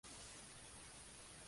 Tiene dos hermanos Melvin y Debbie.